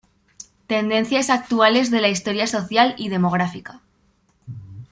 Tendencias actuales de la historia social y demográfica.